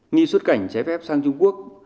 nghi xuất cảnh trái phép sang trung quốc